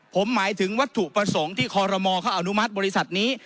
ผมหมายถึงวัตถุประสงค์ที่คอรมอเขาอนุมัติบริษัทนี้